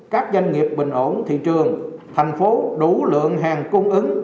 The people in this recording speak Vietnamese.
các doanh nghiệp bình ổn thị trường thành phố đủ lượng hàng cung ứng